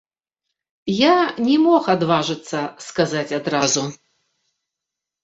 Я не мог адважыцца, сказаць адразу.